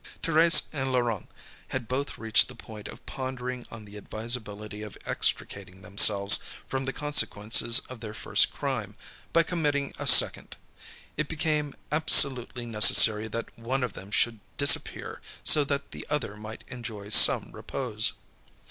Thérèse and Laurent had both reached the point of pondering on the advisability of extricating themselves from the consequences of their first crime, by committing a second. It became absolutely necessary that one of them should disappear so that the other might enjoy some repose.